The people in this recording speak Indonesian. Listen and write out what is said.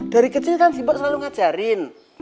dari kecil kan sifat selalu ngajarin